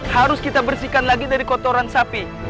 harus kita bersihkan lagi dari kotoran sapi